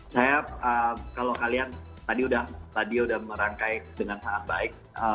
saya kalau kalian tadi udah merangkai dengan sangat baik